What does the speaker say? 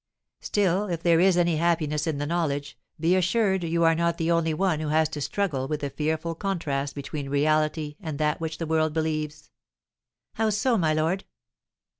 Still, if there is any happiness in the knowledge, be assured you are not the only one who has to struggle with the fearful contrast between reality and that which the world believes." "How so, my lord?"